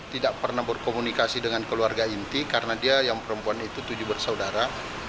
tidak pernah berkomunikasi dengan keluarga inti karena dia yang perempuan itu tujuh bersaudara